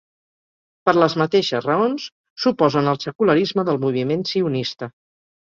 Per les mateixes raons s'oposen al secularisme del moviment sionista.